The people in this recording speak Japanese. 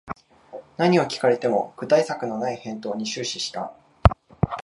何を聞かれても具体策のない返答に終始した